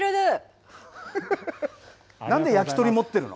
なんで焼き鳥持ってるの。